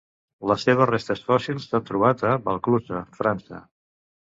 Les seves restes fòssils s'han trobat a Valclusa, França.